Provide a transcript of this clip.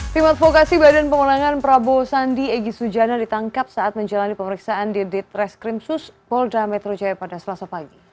timotvokasi badan pengulangan prabowo sandi egy sujana ditangkap saat menjalani pemeriksaan di detres krimsus bolda metro jaya pada selasa pagi